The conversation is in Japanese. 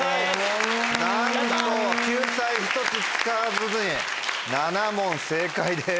なんと救済１つ使わずに７問正解です。